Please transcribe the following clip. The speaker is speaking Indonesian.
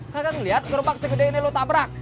kakak ngeliat kerupak segede ini lo tabrak